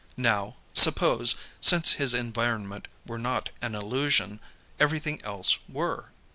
Now, suppose, since his environment were not an illusion, everything else were?